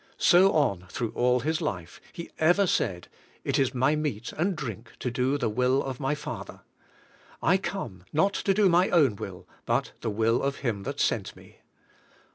So on through all His life. He ever said: "It is my meat and drink to do the will of my Father, I come not to do my own will, but the will of Him that sent me."